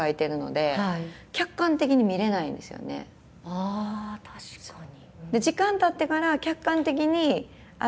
あ確かに。